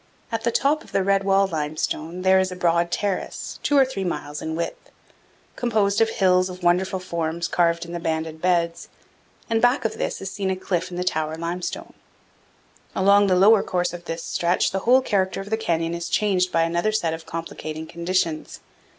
At the top of the red wall limestone there is a broad terrace, two or three miles in width, composed of hills of wonderful forms carved in the banded beds, and back of this is seen a cliff in the tower limestone. Along the lower course of this stretch the whole character of the canyon is changed by another set of complicating conditions.